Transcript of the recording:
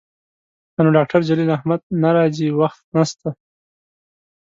ښه نو ډاکتر جلیل احمد نه راځي، وخت نسته